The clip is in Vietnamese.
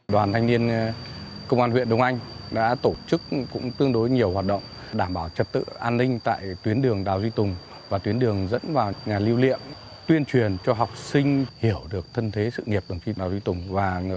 đoàn thanh niên công an huyện đông anh đã tổ chức cũng tương đối nhiều hoạt động đảm bảo trật tự an ninh tại tuyến đường đào duy tùng và tuyến đường dẫn vào nhà lưu niệm tuyên truyền cho học sinh hiểu được thân thế sự nghiệp đồng chí đảo duy tùng